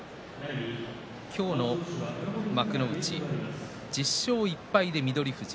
今日の幕内１０勝１敗で翠富士。